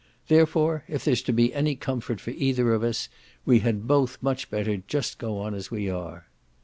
Therefore if there's to be any comfort for either of us we had both much better just go on as we are."